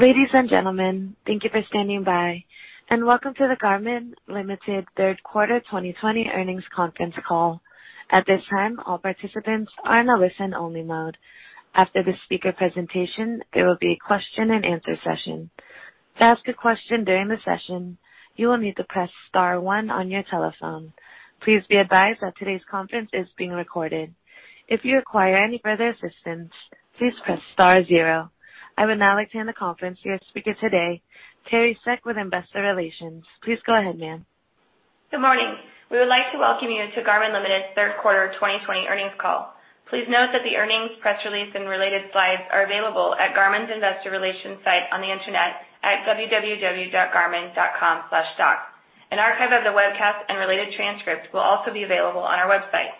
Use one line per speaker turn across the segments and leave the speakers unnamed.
Ladies and gentlemen, thank you for standing by and welcome to the Garmin Ltd. Third Quarter 2020 Earnings Conference Call. At this time, all participants are in a listen-only mode. After the speaker presentation, there will be a question and answer session. To ask a question during the session, you will need to press star one on your telephone. Please be advised that today's conference is being recorded. I would now like to hand the conference to your speaker today, Teri Seck with Investor Relations. Please go ahead, ma'am.
Good morning. We would like to welcome you to Garmin Ltd.'s Third Quarter 2020 Earnings Call. Please note that the earnings, press release, and related slides are available at Garmin's Investor Relations site on the internet at www.garmin.com/stock. An archive of the webcast and related transcripts will also be available on our website.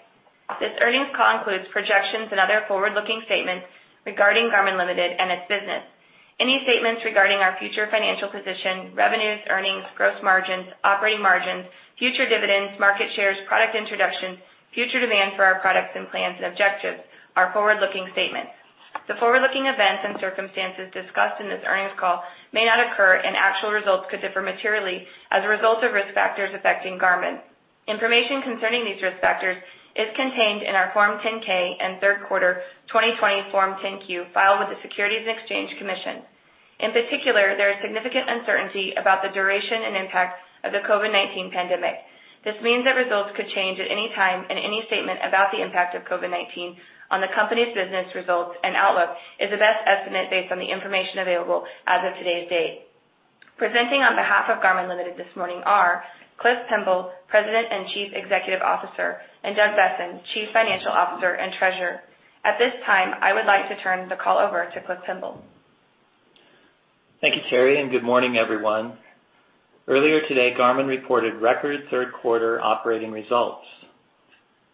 This earnings call includes projections and other forward-looking statements regarding Garmin Ltd. and its business. Any statements regarding our future financial position, revenues, earnings, gross margins, operating margins, future dividends, market shares, product introductions, future demand for our products, and plans and objectives are forward-looking statements. The forward-looking events and circumstances discussed in this earnings call may not occur, and actual results could differ materially as a result of risk factors affecting Garmin. Information concerning these risk factors is contained in our Form 10-K and Third Quarter 2020 Form 10-Q filed with the Securities and Exchange Commission. In particular, there is significant uncertainty about the duration and impact of the COVID-19 pandemic. This means that results could change at any time, and any statement about the impact of COVID-19 on the company's business results and outlook is the best estimate based on the information available as of today's date. Presenting on behalf of Garmin Ltd. this morning are Cliff Pemble, President and Chief Executive Officer, and Doug Boessen, Chief Financial Officer and Treasurer. At this time, I would like to turn the call over to Cliff Pemble.
Thank you, Teri, and good morning, everyone. Earlier today, Garmin reported record third quarter operating results.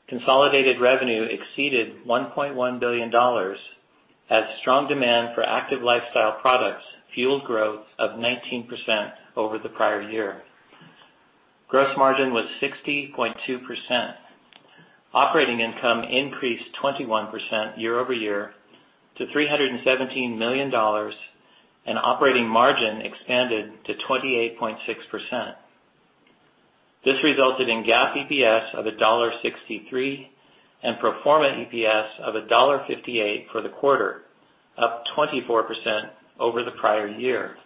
Consolidated revenue exceeded $1.1 billion as strong demand for active lifestyle products fueled growth of 19% over the prior year. Gross margin was 60.2%. Operating income increased 21% year-over-year to $317 million, and operating margin expanded to 28.6%. This resulted in GAAP EPS of $1.63 and pro forma EPS of $1.58 for the quarter, up 24% over the prior year.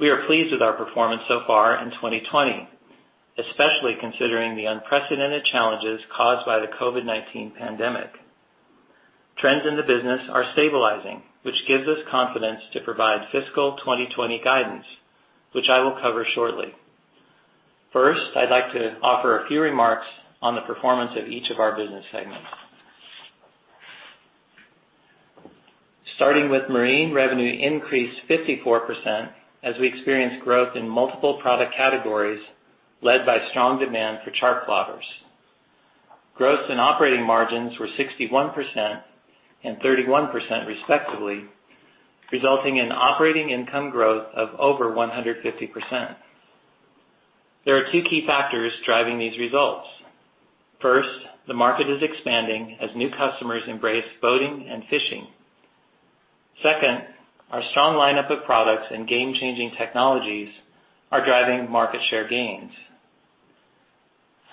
We are pleased with our performance so far in 2020, especially considering the unprecedented challenges caused by the COVID-19 pandemic. Trends in the business are stabilizing, which gives us confidence to provide fiscal 2020 guidance, which I will cover shortly. First, I'd like to offer a few remarks on the performance of each of our business segments. Starting with Marine, revenue increased 54% as we experienced growth in multiple product categories led by strong demand for chartplotters. Gross and operating margins were 61% and 31% respectively, resulting in operating income growth of over 150%. There are two key factors driving these results. First, the market is expanding as new customers embrace boating and fishing. Second, our strong lineup of products and game-changing technologies are driving market share gains.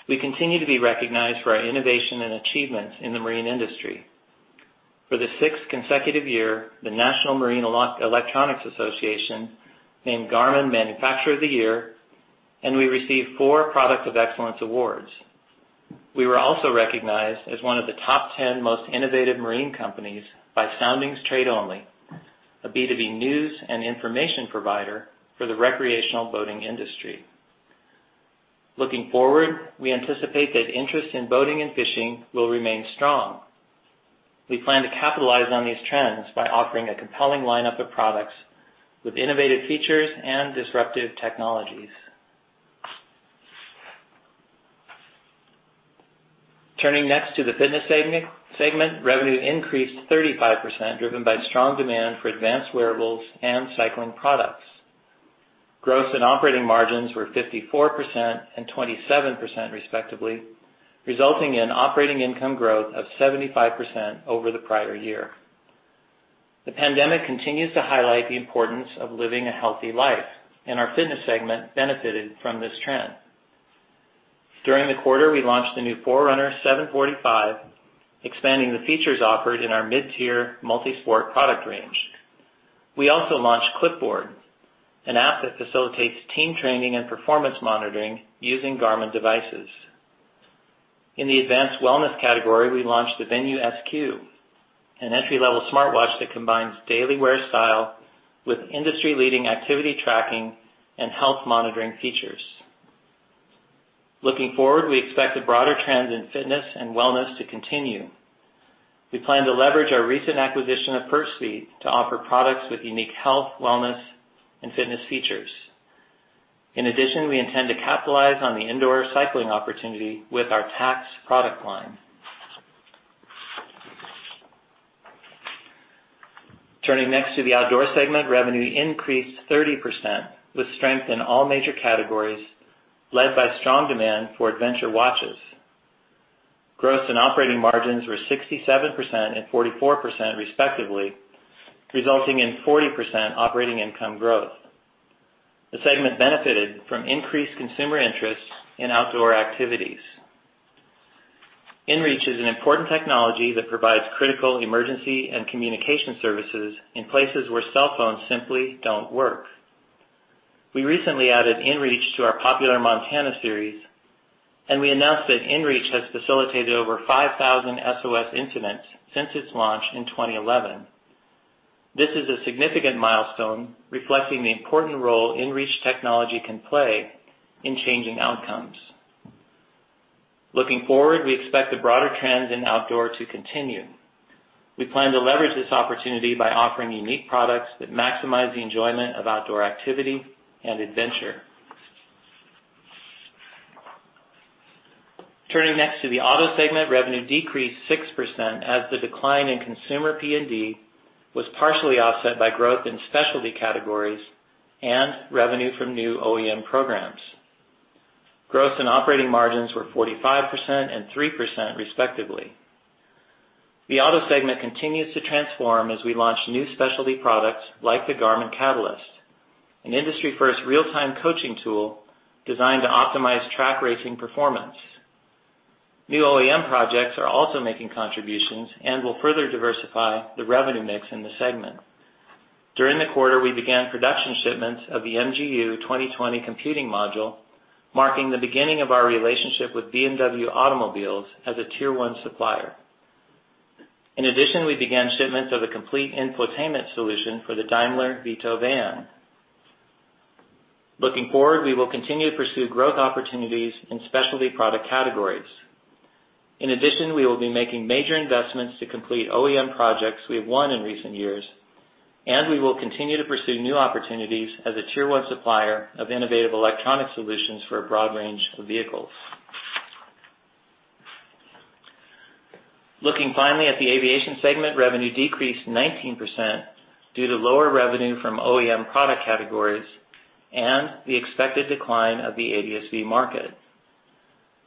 We continue to be recognized for our innovation and achievements in the Marine industry. For the sixth consecutive year, the National Marine Electronics Association named Garmin Manufacturer of the Year, and we received four Product of Excellence awards. We were also recognized as one of the top 10 most innovative Marine companies by Soundings Trade Only, a B2B news and information provider for the recreational boating industry. Looking forward, we anticipate that interest in boating and fishing will remain strong. We plan to capitalize on these trends by offering a compelling lineup of products with innovative features and disruptive technologies. Turning next to the Fitness segment, revenue increased 35%, driven by strong demand for advanced wearables and cycling products. Gross and operating margins were 54% and 27% respectively, resulting in operating income growth of 75% over the prior year. The pandemic continues to highlight the importance of living a healthy life, and our Fitness segment benefited from this trend. During the quarter, we launched the new Forerunner 745, expanding the features offered in our mid-tier multi-sport product range. We also launched Clipboard, an app that facilitates team training and performance monitoring using Garmin devices. In the advanced wellness category, we launched the Venu Sq, an entry-level smartwatch that combines daily wear style with industry-leading activity tracking and health monitoring features. Looking forward, we expect the broader trends in fitness and wellness to continue. We plan to leverage our recent acquisition of Firstbeat to offer products with unique health, wellness, and fitness features. In addition, we intend to capitalize on the indoor cycling opportunity with our Tacx product line. Turning next to the outdoor segment, revenue increased 30%, with strength in all major categories led by strong demand for adventure watches. Gross and operating margins were 67% and 44%, respectively, resulting in 40% operating income growth. The segment benefited from increased consumer interest in outdoor activities. inReach is an important technology that provides critical emergency and communication services in places where cell phones simply don't work. We recently added inReach to our popular Montana series. We announced that inReach has facilitated over 5,000 SOS incidents since its launch in 2011. This is a significant milestone, reflecting the important role inReach technology can play in changing outcomes. Looking forward, we expect the broader trends in outdoor to continue. We plan to leverage this opportunity by offering unique products that maximize the enjoyment of outdoor activity and adventure. Turning next to the auto segment, revenue decreased 6% as the decline in consumer PND was partially offset by growth in specialty categories and revenue from new OEM programs. Gross and operating margins were 45% and 3%, respectively. The auto segment continues to transform as we launch new specialty products like the Garmin Catalyst, an industry-first real-time coaching tool designed to optimize track racing performance. New OEM projects are also making contributions and will further diversify the revenue mix in the segment. During the quarter, we began production shipments of the BMW MGU 2020 computing module, marking the beginning of our relationship with BMW Automobiles as a Tier 1 supplier. In addition, we began shipments of a complete infotainment solution for the Daimler Vito van. Looking forward, we will continue to pursue growth opportunities in specialty product categories. In addition, we will be making major investments to complete OEM projects we have won in recent years, and we will continue to pursue new opportunities as a Tier 1 supplier of innovative electronic solutions for a broad range of vehicles. Looking finally at the aviation segment, revenue decreased 19% due to lower revenue from OEM product categories and the expected decline of the ADS-B market.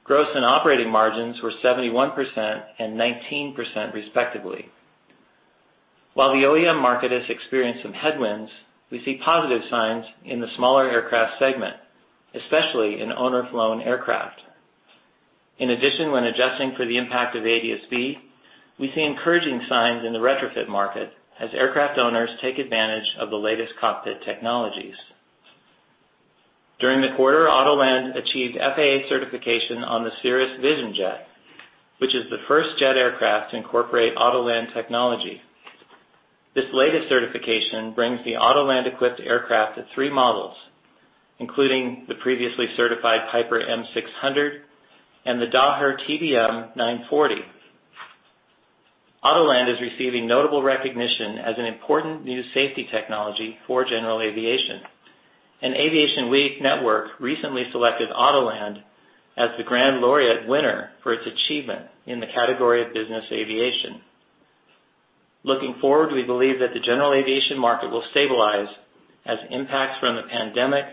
Gross and operating margins were 71% and 19%, respectively. While the OEM market has experienced some headwinds, we see positive signs in the smaller aircraft segment, especially in owner-flown aircraft. In addition, when adjusting for the impact of ADS-B, we see encouraging signs in the retrofit market as aircraft owners take advantage of the latest cockpit technologies. During the quarter, Autoland achieved FAA certification on the Cirrus Vision Jet, which is the first jet aircraft to incorporate Autoland technology. This latest certification brings the Autoland-equipped aircraft to three models, including the previously certified Piper M600 and the Daher TBM 940. Autoland is receiving notable recognition as an important new safety technology for general aviation. Aviation Week Network recently selected Autoland as the Grand Laureate winner for its achievement in the category of business aviation. Looking forward, we believe that the general aviation market will stabilize as impacts from the pandemic,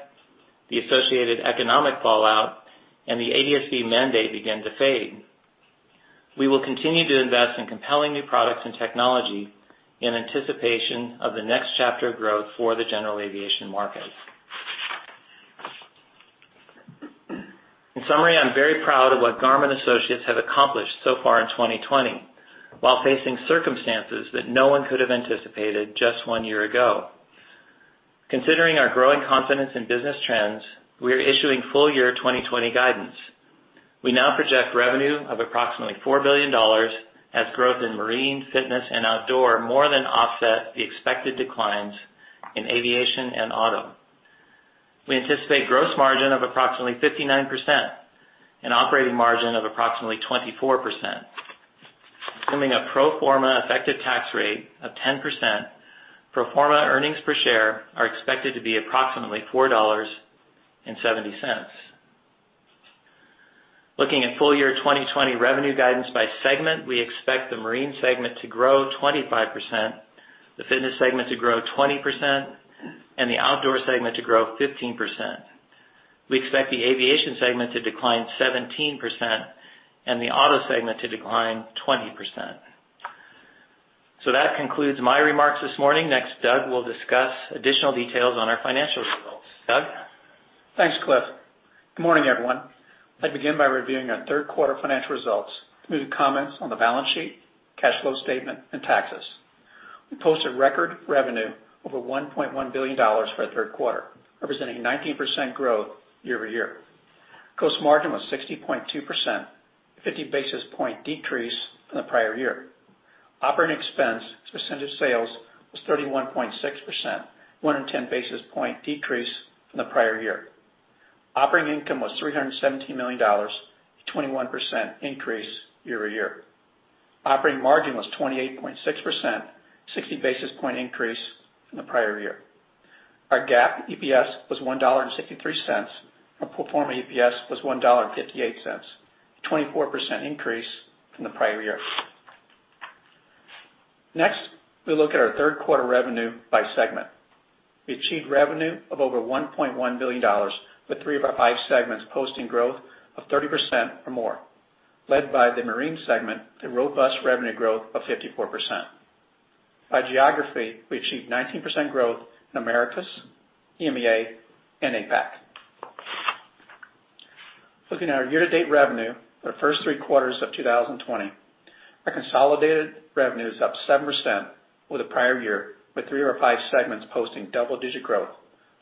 the associated economic fallout, and the ADS-B mandate begin to fade. We will continue to invest in compelling new products and technology in anticipation of the next chapter of growth for the general aviation market. In summary, I'm very proud of what Garmin associates have accomplished so far in 2020 while facing circumstances that no one could have anticipated just one year ago. Considering our growing confidence in business trends, we are issuing full-year 2020 guidance. We now project revenue of approximately $4 billion as growth in marine, fitness, and outdoor more than offset the expected declines in aviation and auto. We anticipate gross margin of approximately 59% and operating margin of approximately 24%. Assuming a pro forma effective tax rate of 10%, pro forma earnings per share are expected to be approximately $4.70. Looking at full-year 2020 revenue guidance by segment, we expect the Marine segment to grow 25%, the Fitness segment to grow 20%, and the Outdoor segment to grow 15%. We expect the Aviation segment to decline 17% and the Auto segment to decline 20%. That concludes my remarks this morning. Next, Doug will discuss additional details on our financial results. Doug?
Thanks, Cliff. Good morning, everyone. I begin by reviewing our third-quarter financial results through the comments on the balance sheet, cash flow statement, and taxes. We posted record revenue over $1.1 billion for the third quarter, representing 19% growth year-over-year. Cost margin was 60.2%, a 50-basis-point decrease from the prior year. Operating expense as a percent of sales was 31.6%, 110-basis-point decrease from the prior year. Operating income was $317 million, a 21% increase year-over-year. Operating margin was 28.6%, a 60-basis-point increase from the prior year. Our GAAP EPS was $1.63, and pro forma EPS was $1.58, a 24% increase from the prior year. We look at our third quarter revenue by segment. We achieved revenue of over $1.1 billion, with three of our five segments posting growth of 30% or more, led by the Marine segment, a robust revenue growth of 54%. By geography, we achieved 19% growth in Americas, EMEA, and APAC. Looking at our year-to-date revenue for the first three quarters of 2020, our consolidated revenue is up 7% with the prior year, with three of our five segments posting double-digit growth,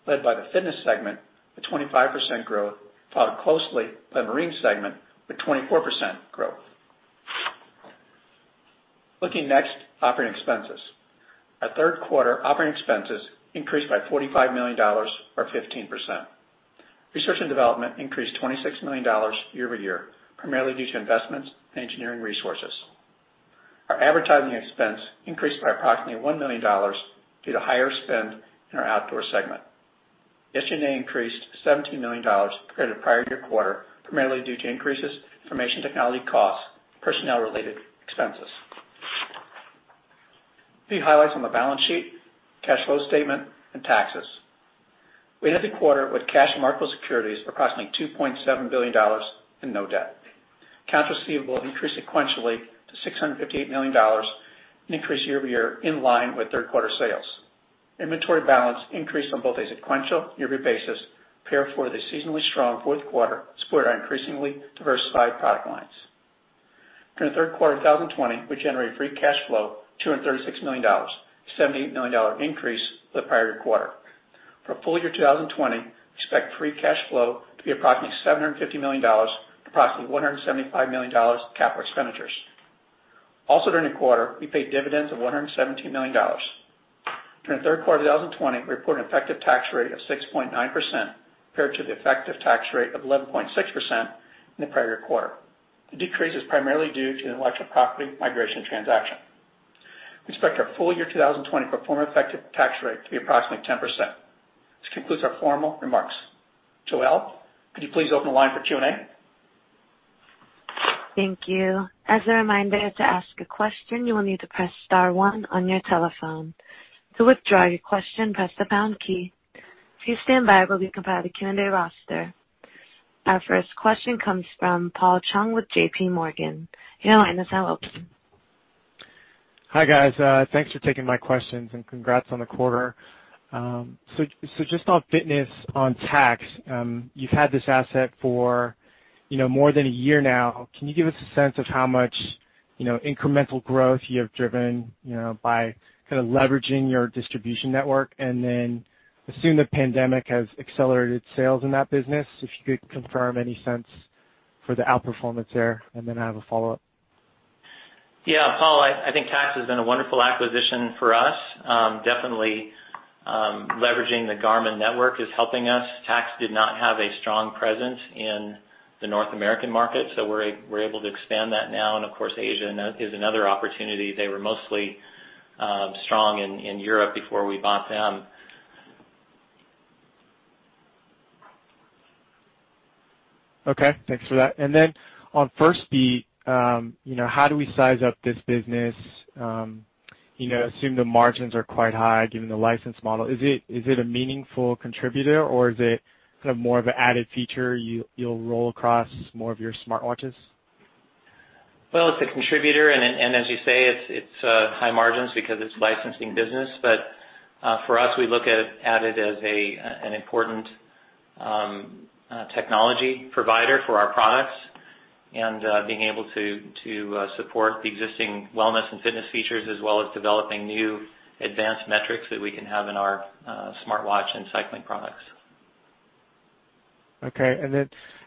led by the Fitness segment with 25% growth, followed closely by the Marine segment with 24% growth. Looking next, operating expenses. Our third quarter operating expenses increased by $45 million, or 15%. Research and development increased $26 million year-over-year, primarily due to investments in engineering resources. Our advertising expense increased by approximately $1 million due to higher spend in our Outdoor segment. G&A increased $17 million compared to the prior year quarter, primarily due to increases in information technology costs, personnel-related expenses. A few highlights on the balance sheet, cash flow statement, and taxes. We ended the quarter with cash and marketable securities approximately $2.7 billion and no debt. Accounts receivable increased sequentially to $658 million, an increase year-over-year in line with third quarter sales. Inventory balance increased on both a sequential year-over-year basis, prepared for the seasonally strong fourth quarter split on increasingly diversified product lines. During the third quarter of 2020, we generated free cash flow of $236 million, a $78 million increase with the prior quarter. For full year 2020, we expect free cash flow to be approximately $750 million to approximately $175 million capital expenditures. During the quarter, we paid dividends of $117 million. During the third quarter of 2020, we report an effective tax rate of 6.9% compared to the effective tax rate of 11.6% in the prior quarter. The decrease is primarily due to an intellectual property migration transaction. We expect our full year 2020 pro forma effective Tacx rate to be approximately 10%. This concludes our formal remarks. Joelle, could you please open the line for Q&A?
Thank you. As a reminder, to ask a question, you will need to press star one on your telephone. To withdraw your question, press the pound key. Please stand by while we compile the Q&A roster. Our first question comes from Paul Chung with JPMorgan. Your line is now open.
Hi, guys. Thanks for taking my questions, and congrats on the quarter. Just on Fitness, on Tacx, you've had this asset for more than a year now. Can you give us a sense of how much incremental growth you have driven by kind of leveraging your distribution network, and then assume the pandemic has accelerated sales in that business, if you could confirm any sense for the outperformance there, and then I have a follow-up.
Yeah, Paul, I think Tacx has been a wonderful acquisition for us. Definitely, leveraging the Garmin network is helping us. Tacx did not have a strong presence in the North American market, so we're able to expand that now, and of course, Asia is another opportunity. They were mostly strong in Europe before we bought them.
Okay, thanks for that. On Firstbeat, how do we size up this business? Assume the margins are quite high given the license model. Is it a meaningful contributor, or is it kind of more of an added feature you'll roll across more of your smartwatches?
Well, it's a contributor, and as you say, it's high margins because it's licensing business. For us, we look at it as an important technology provider for our products and being able to support the existing wellness and fitness features as well as developing new advanced metrics that we can have in our smartwatch and cycling products.
Okay.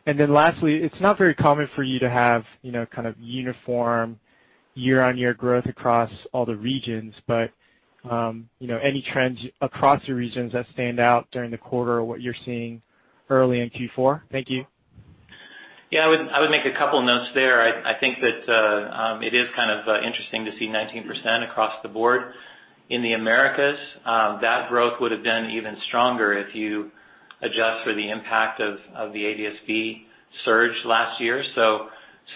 Lastly, it's not very common for you to have kind of uniform year-over-year growth across all the regions. Any trends across your regions that stand out during the quarter or what you're seeing early in Q4? Thank you.
Yeah, I would make a couple of notes there. I think that it is kind of interesting to see 19% across the board. In the Americas, that growth would have been even stronger if you adjust for the impact of the ADS-B surge last year.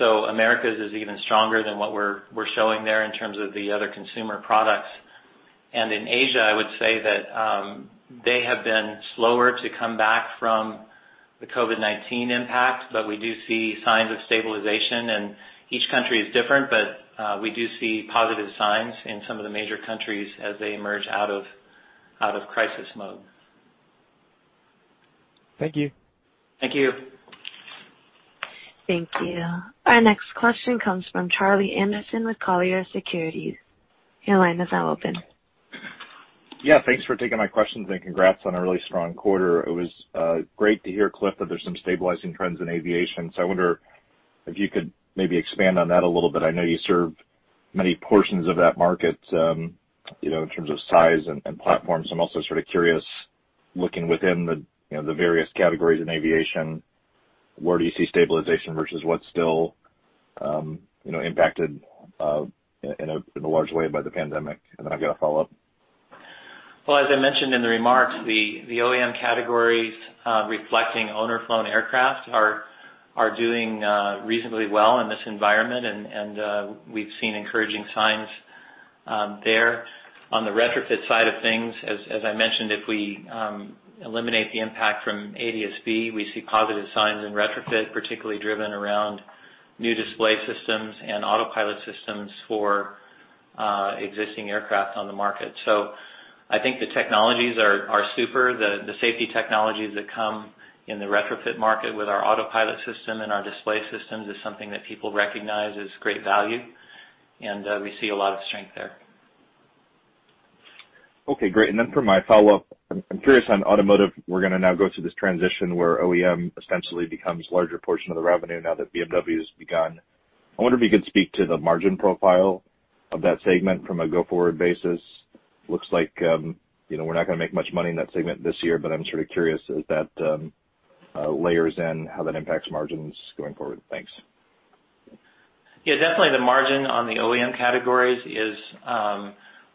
Americas is even stronger than what we're showing there in terms of the other consumer products. In Asia, I would say that they have been slower to come back from the COVID-19 impact, but we do see signs of stabilization, and each country is different, but we do see positive signs in some of the major countries as they emerge out of crisis mode.
Thank you.
Thank you.
Thank you. Our next question comes from Charlie Anderson with Colliers Securities. Your line is now open.
Yeah, thanks for taking my questions, and congrats on a really strong quarter. It was great to hear, Cliff, that there's some stabilizing trends in aviation. I wonder if you could maybe expand on that a little bit. I know you serve many portions of that market in terms of size and platforms. I'm also sort of curious, looking within the various categories in aviation, where do you see stabilization versus what's still impacted in a large way by the pandemic? I've got a follow-up.
As I mentioned in the remarks, the OEM categories reflecting owner-flown aircraft are doing reasonably well in this environment, and we've seen encouraging signs there. On the retrofit side of things, as I mentioned, if we eliminate the impact from ADS-B, we see positive signs in retrofit, particularly driven around new display systems and autopilot systems for existing aircraft on the market. I think the technologies are super. The safety technologies that come in the retrofit market with our autopilot system and our display systems is something that people recognize as great value, and we see a lot of strength there.
Okay, great. For my follow-up, I'm curious on automotive, we're going to now go through this transition where OEM essentially becomes larger portion of the revenue now that BMW has begun. I wonder if you could speak to the margin profile of that segment from a go-forward basis. Looks like we're not going to make much money in that segment this year, but I'm sort of curious as that layers in how that impacts margins going forward. Thanks.
Yeah, definitely the margin on the OEM categories is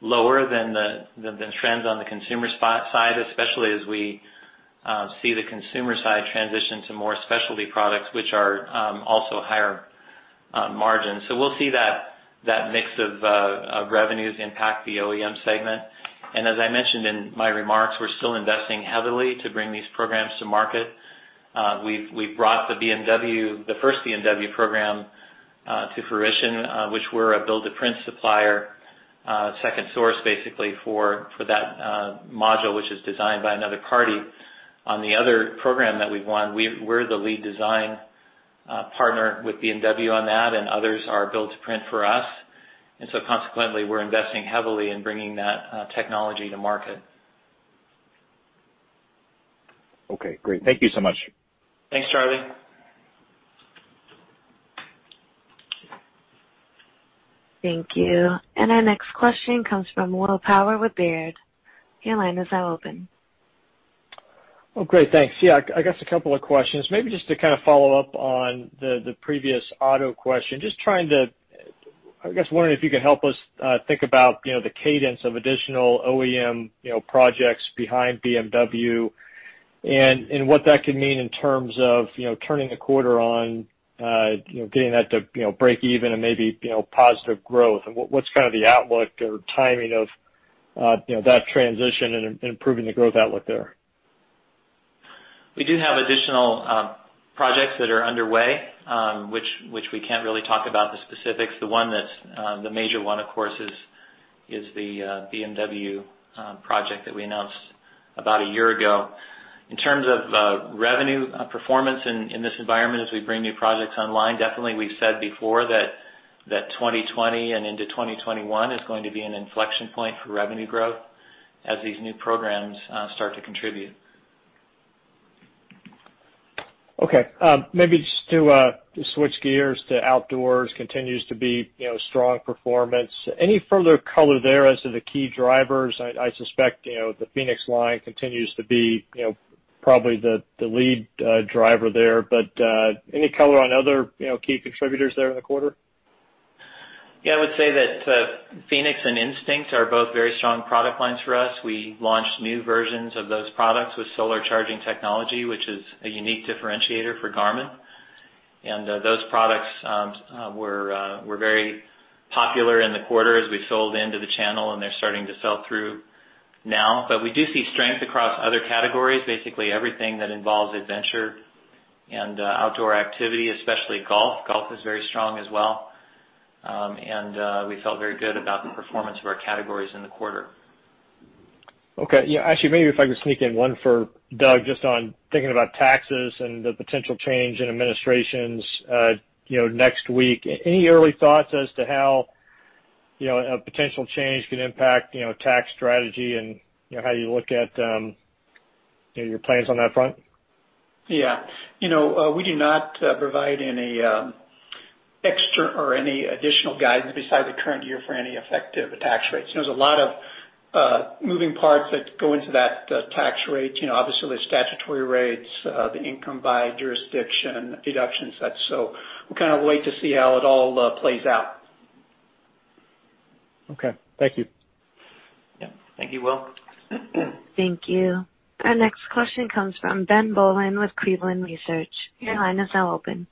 lower than the trends on the consumer side, especially as we see the consumer side transition to more specialty products, which are also higher margin. We'll see that mix of revenues impact the OEM segment. As I mentioned in my remarks, we're still investing heavily to bring these programs to market. We've brought the first BMW program to fruition, which we're a build-to-print supplier, second source basically for that module, which is designed by another party. On the other program that we won, we're the lead design partner with BMW on that, and others are build to print for us. Consequently, we're investing heavily in bringing that technology to market.
Okay, great. Thank you so much.
Thanks, Charlie.
Thank you. Our next question comes from Will Power with Baird. Your line is now open.
Oh, great. Thanks. Yeah, I guess a couple of questions. Maybe just to kind of follow up on the previous Auto question, just trying to, I guess, wondering if you could help us think about the cadence of additional OEM projects behind BMW and what that could mean in terms of turning the quarter on, getting that to break even and maybe positive growth. What's kind of the outlook or timing of that transition and improving the growth outlook there?
We do have additional projects that are underway, which we can't really talk about the specifics. The major one, of course, is the BMW project that we announced about a year ago. In terms of revenue performance in this environment, as we bring new projects online, definitely we've said before that 2020 and into 2021 is going to be an inflection point for revenue growth as these new programs start to contribute.
Okay. Maybe just to switch gears to outdoors continues to be strong performance. Any further color there as to the key drivers? I suspect the fēnix line continues to be probably the lead driver there, but any color on other key contributors there in the quarter?
Yeah, I would say that fēnix and Instinct are both very strong product lines for us. We launched new versions of those products with solar charging technology, which is a unique differentiator for Garmin. Those products were very popular in the quarter as we sold into the channel, and they're starting to sell through now. We do see strength across other categories. Basically, everything that involves adventure and outdoor activity, especially golf. Golf is very strong as well. We felt very good about the performance of our categories in the quarter.
Okay. Yeah. Actually, maybe if I could sneak in one for Doug, just on thinking about taxes and the potential change in administrations next week. Any early thoughts as to how a potential change could impact Tacx strategy and how you look at your plans on that front?
Yeah. We do not provide any extra or any additional guidance beside the current year for any effective Tacx rates. There's a lot of moving parts that go into that Tacx rate. Obviously, the statutory rates, the income by jurisdiction, deduction sets. We'll kind of wait to see how it all plays out.
Okay. Thank you.
Yeah. Thank you, Will.
Thank you. Our next question comes from Ben Bollin with Cleveland Research. Your line is now open.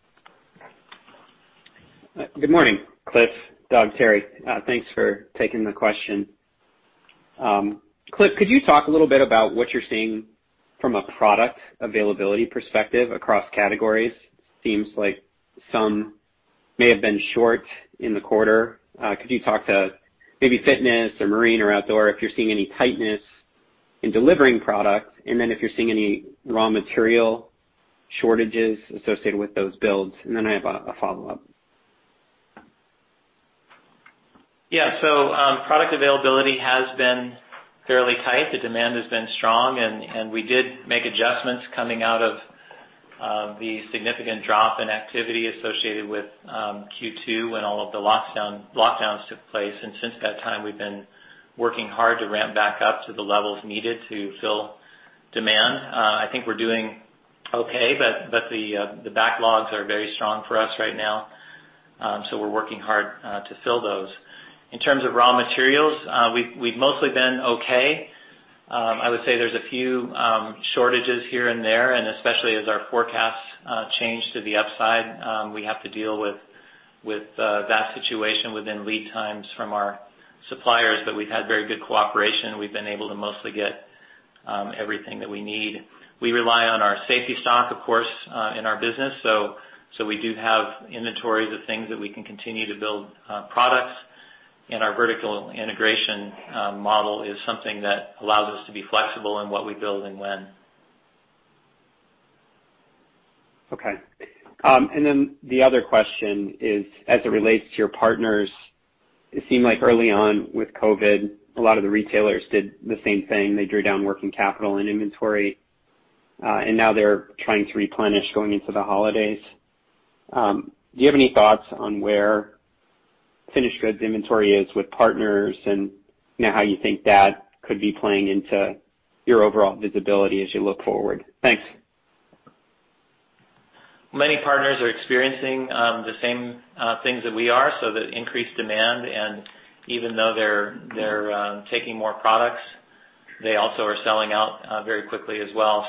Good morning, Cliff, Doug, Teri. Thanks for taking the question. Cliff, could you talk a little bit about what you're seeing from a product availability perspective across categories? Seems like some may have been short in the quarter. Could you talk to maybe fitness or marine or outdoor, if you're seeing any tightness in delivering product, and then if you're seeing any raw material shortages associated with those builds? I have a follow-up.
Product availability has been fairly tight. The demand has been strong, and we did make adjustments coming out of the significant drop in activity associated with Q2 when all of the lockdowns took place. Since that time, we've been working hard to ramp back up to the levels needed to fill demand. I think we're doing okay, but the backlogs are very strong for us right now. So we're working hard to fill those. In terms of raw materials, we've mostly been okay. I would say there's a few shortages here and there, and especially as our forecasts change to the upside, we have to deal with that situation within lead times from our suppliers. We've had very good cooperation. We've been able to mostly get everything that we need. We rely on our safety stock, of course, in our business, so we do have inventories of things that we can continue to build products. Our vertical integration model is something that allows us to be flexible in what we build and when.
Okay. The other question is, as it relates to your partners, it seemed like early on with COVID, a lot of the retailers did the same thing. They drew down working capital and inventory, and now they're trying to replenish going into the holidays. Do you have any thoughts on where finished goods inventory is with partners, and how you think that could be playing into your overall visibility as you look forward? Thanks.
Many partners are experiencing the same things that we are, so the increased demand. Even though they're taking more products, they also are selling out very quickly as well.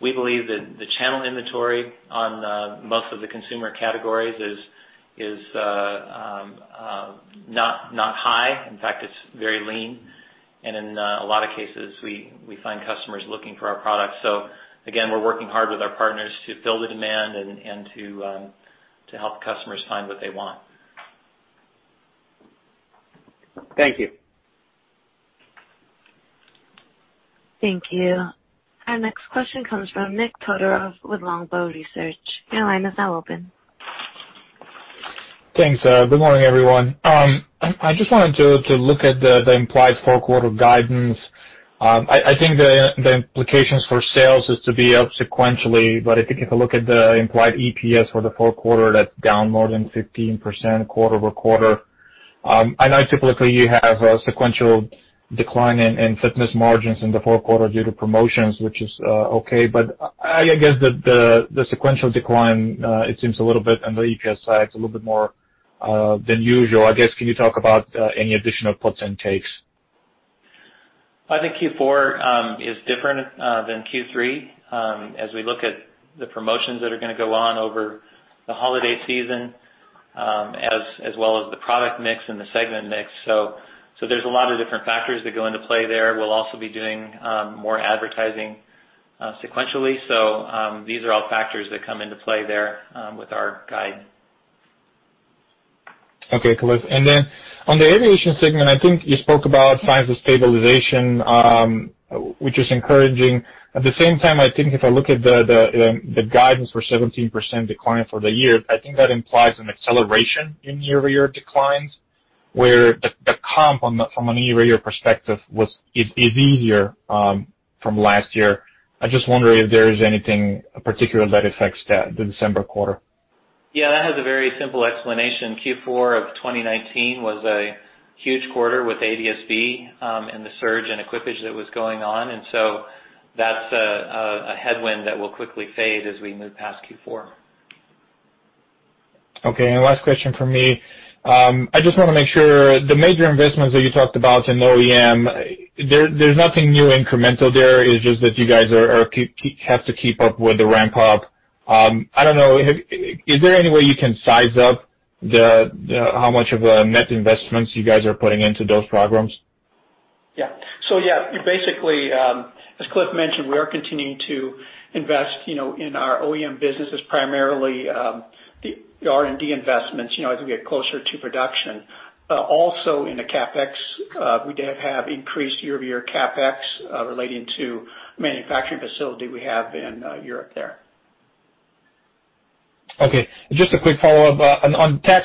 We believe that the channel inventory on most of the consumer categories is not high. In fact, it's very lean. In a lot of cases, we find customers looking for our products. Again, we're working hard with our partners to fill the demand and to help customers find what they want.
Thank you.
Thank you. Our next question comes from Nick Todorov with Longbow Research. Your line is now open.
Thanks. Good morning, everyone. I just wanted to look at the implied fourth quarter guidance. I think the implications for sales is to be up sequentially, but I think if you look at the implied EPS for the fourth quarter, that's down more than 15% quarter-over-quarter. I know typically you have a sequential decline in fitness margins in the fourth quarter due to promotions, which is okay, but I guess the sequential decline, it seems a little bit on the EPS side, it's a little bit more than usual. I guess, can you talk about any additional puts and takes?
I think Q4 is different than Q3, as we look at the promotions that are going to go on over the holiday season, as well as the product mix and the segment mix. There's a lot of different factors that go into play there. We'll also be doing more advertising sequentially. These are all factors that come into play there with our guide.
Okay. On the aviation segment, I think you spoke about signs of stabilization, which is encouraging. At the same time, I think if I look at the guidance for 17% decline for the year, I think that implies an acceleration in year-over-year declines, where the comp from an year-over-year perspective is easier from last year. I'm just wondering if there is anything particular that affects the December quarter?
Yeah, that has a very simple explanation. Q4 of 2019 was a huge quarter with ADS-B and the surge in equipage that was going on. That's a headwind that will quickly fade as we move past Q4.
Last question from me. I just want to make sure, the major investments that you talked about in OEM, there's nothing new incremental there, it's just that you guys have to keep up with the ramp up. I don't know, is there any way you can size up how much of a net investments you guys are putting into those programs?
Yeah, basically, as Cliff mentioned, we are continuing to invest in our OEM businesses, primarily the R&D investments as we get closer to production. Also in the CapEx, we did have increased year-over-year CapEx relating to manufacturing facility we have in Europe there.
Okay. Just a quick follow-up. On Tacx,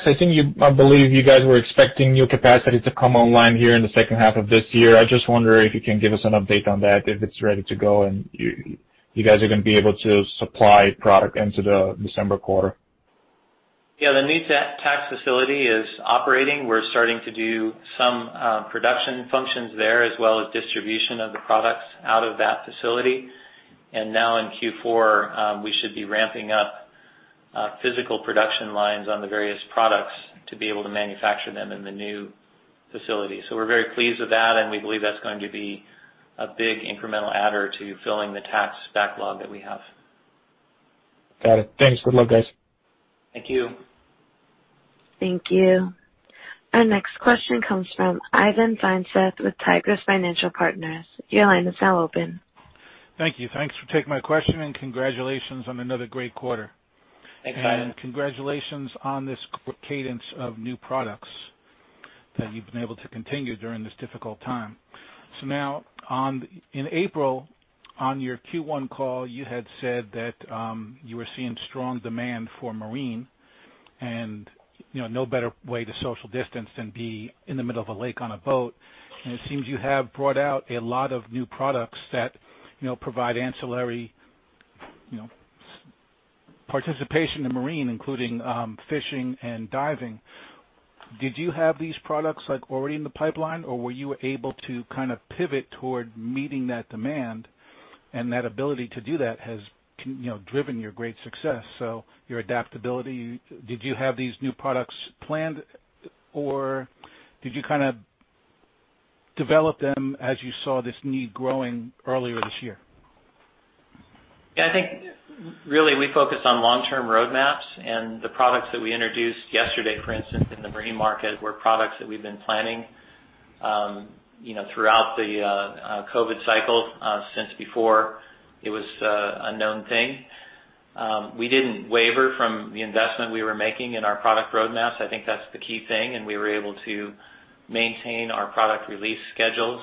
I believe you guys were expecting new capacity to come online here in the second half of this year. I just wonder if you can give us an update on that, if it's ready to go and you guys are going to be able to supply product into the December quarter?
Yeah, the new Tacx facility is operating. We're starting to do some production functions there, as well as distribution of the products out of that facility. Now in Q4, we should be ramping up physical production lines on the various products to be able to manufacture them in the new facility. We're very pleased with that, and we believe that's going to be a big incremental adder to filling the Tacx backlog that we have.
Got it. Thanks. Good luck, guys.
Thank you.
Thank you. Our next question comes from Ivan Feinseth with Tigress Financial Partners. Your line is now open.
Thank you. Thanks for taking my question, congratulations on another great quarter.
Thanks, Ivan.
Congratulations on this cadence of new products that you've been able to continue during this difficult time. Now in April, on your Q1 call, you had said that you were seeing strong demand for marine, and no better way to social distance than be in the middle of a lake on a boat. It seems you have brought out a lot of new products that provide ancillary participation in marine, including fishing and diving. Did you have these products already in the pipeline, or were you able to pivot toward meeting that demand, and that ability to do that has driven your great success? Your adaptability, did you have these new products planned, or did you kind of develop them as you saw this need growing earlier this year?
I think really we focus on long-term roadmaps and the products that we introduced yesterday, for instance, in the marine market, were products that we've been planning throughout the COVID-19 cycle, since before it was a known thing. We didn't waver from the investment we were making in our product roadmaps. I think that's the key thing, and we were able to maintain our product release schedules,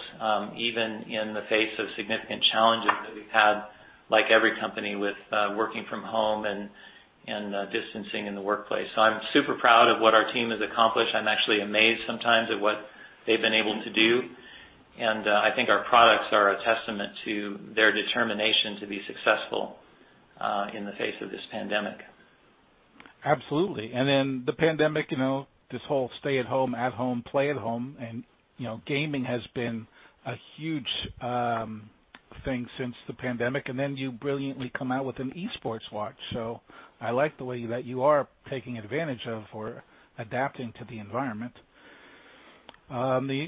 even in the face of significant challenges that we've had, like every company, with working from home and distancing in the workplace. I'm super proud of what our team has accomplished. I'm actually amazed sometimes at what they've been able to do, and I think our products are a testament to their determination to be successful in the face of this pandemic.
Absolutely. The pandemic, this whole stay at home, play at home, and gaming has been a huge thing since the pandemic, then you brilliantly come out with an e-sports watch. I like the way that you are taking advantage of or adapting to the environment.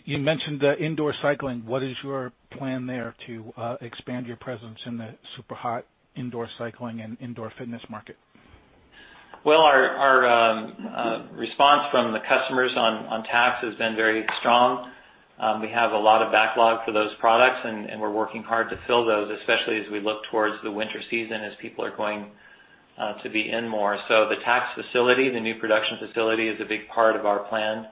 You mentioned the indoor cycling. What is your plan there to expand your presence in the super hot indoor cycling and indoor fitness market?
Well, our response from the customers on Tacx has been very strong. We have a lot of backlog for those products, and we're working hard to fill those, especially as we look towards the winter season as people are going to be in more. The Tacx facility, the new production facility, is a big part of our plan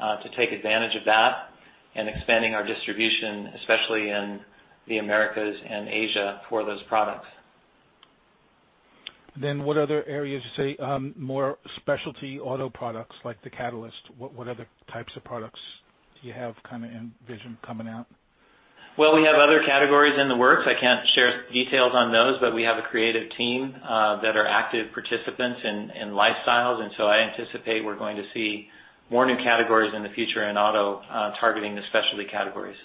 to take advantage of that and expanding our distribution, especially in the Americas and Asia for those products.
What other areas, say, more specialty auto products like the Catalyst? What other types of products do you have envision coming out?
Well, we have other categories in the works. I can't share details on those. We have a creative team that are active participants in lifestyles. I anticipate we're going to see more new categories in the future in auto, targeting the specialty categories.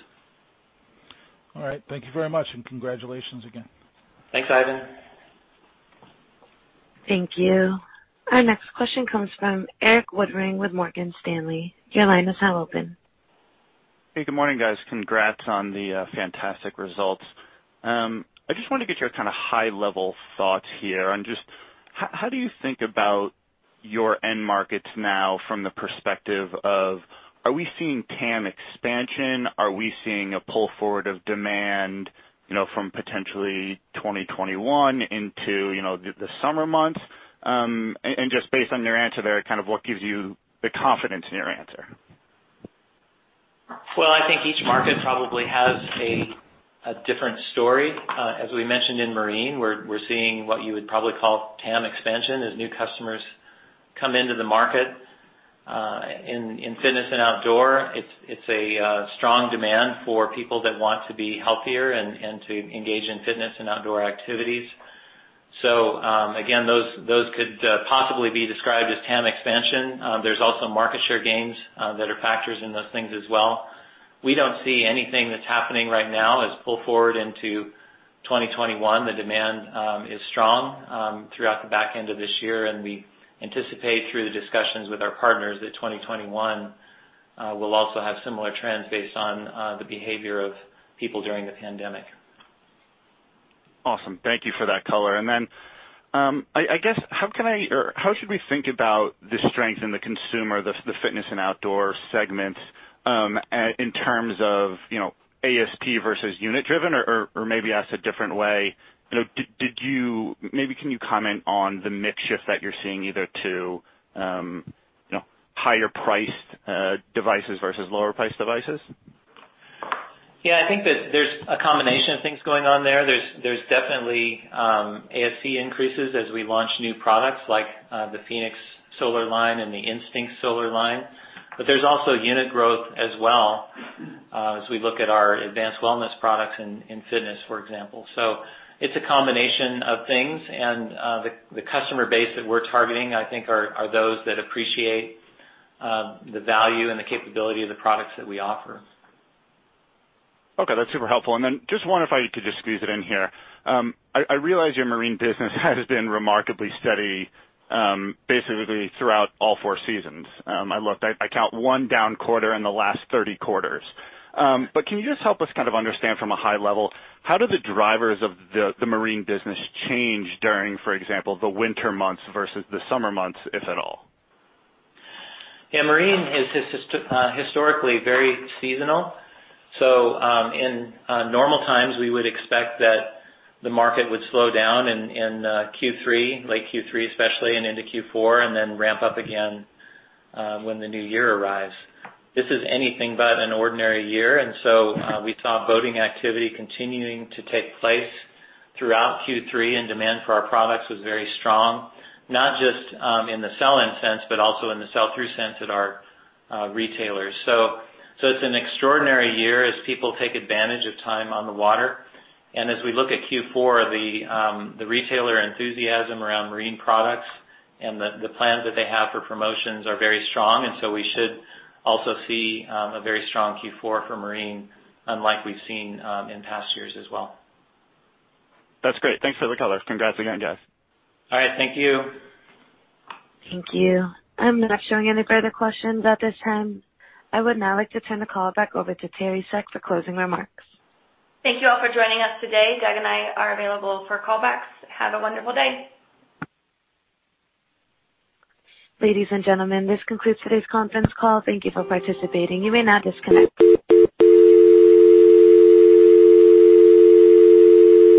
All right. Thank you very much, and congratulations again.
Thanks, Ivan.
Thank you. Our next question comes from Erik Woodring with Morgan Stanley. Your line is now open.
Hey, good morning, guys. Congrats on the fantastic results. I just wanted to get your kind of high-level thoughts here on just how do you think about your end markets now from the perspective of, are we seeing TAM expansion? Are we seeing a pull forward of demand from potentially 2021 into the summer months? Just based on your answer there, kind of what gives you the confidence in your answer?
Well, I think each market probably has a different story. As we mentioned in marine, we're seeing what you would probably call TAM expansion as new customers come into the market. In fitness and outdoor, it's a strong demand for people that want to be healthier and to engage in fitness and outdoor activities. Again, those could possibly be described as TAM expansion. There's also market share gains that are factors in those things as well. We don't see anything that's happening right now as pull forward into 2021. The demand is strong throughout the back end of this year, and we anticipate through the discussions with our partners that 2021 will also have similar trends based on the behavior of people during the pandemic.
Awesome. Thank you for that color. I guess, how should we think about the strength in the consumer, the fitness and outdoor segments, in terms of ASP versus unit driven? Maybe asked a different way, maybe can you comment on the mix shift that you're seeing either to higher priced devices versus lower priced devices?
Yeah, I think that there's a combination of things going on there. There's definitely ASP increases as we launch new products like the fēnix Solar line and the Instinct Solar line. There's also unit growth as well as we look at our advanced wellness products in fitness, for example. It's a combination of things, and the customer base that we're targeting, I think, are those that appreciate the value and the capability of the products that we offer.
Okay. That's super helpful. Just one, if I could just squeeze it in here. I realize your marine business has been remarkably steady, basically throughout all four seasons. I looked. I count one down quarter in the last 30 quarters. Can you just help us kind of understand from a high level, how do the drivers of the marine business change during, for example, the winter months versus the summer months, if at all?
Yeah. Marine is historically very seasonal. In normal times, we would expect that the market would slow down in Q3, late Q3 especially, and into Q4, and then ramp up again when the new year arrives. This is anything but an ordinary year, we saw boating activity continuing to take place throughout Q3, and demand for our products was very strong, not just, in the sell-in sense, but also in the sell-through sense at our retailers. It's an extraordinary year as people take advantage of time on the water. As we look at Q4, the retailer enthusiasm around marine products and the plans that they have for promotions are very strong, we should also see a very strong Q4 for marine, unlike we've seen in past years as well.
That's great. Thanks for the color. Congrats again, guys.
All right. Thank you.
Thank you. I'm not showing any further questions at this time. I would now like to turn the call back over to Teri Seck for closing remarks.
Thank you all for joining us today. Doug and I are available for callbacks. Have a wonderful day.
Ladies and gentlemen, this concludes today's conference call. Thank you for participating. You may now disconnect.